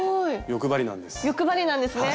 欲張りなんですね。